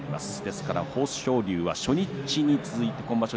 豊昇龍は初日に続いて今場所